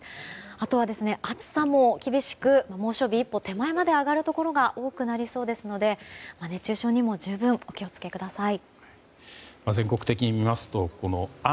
あとは、暑さも厳しく猛暑日一歩手前まで上がるところが多くなりそうですので熱中症にも十分お気をつけください。